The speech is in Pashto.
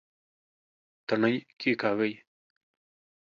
تڼي کېکاږئ